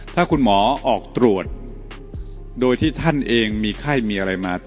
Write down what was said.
ถ้าคุณหมอออกตรวจโดยที่ท่านเองมีไข้มีอะไรมา